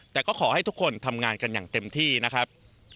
แต่ก็ขอให้ทุกคนทำงานกันอย่างเต็มที่นะครับ